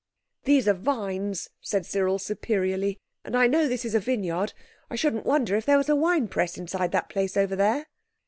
"These are vines," said Cyril superiorly, "and I know this is a vineyard. I shouldn't wonder if there was a wine press inside that place over there."